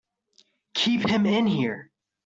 Keep him in here!